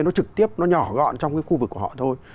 nó trực tiếp nó nhỏ gọn trong cái khu vực của họ thôi